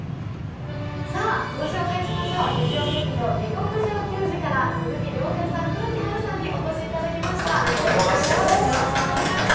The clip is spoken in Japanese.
ご紹介しましょう日曜劇場「下剋上球児」から鈴木亮平さん、黒木華さんにお越しいただきました。